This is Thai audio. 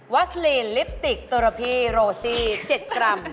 ัสลีนลิปสติกตัวระพีโรซี่๗กรัม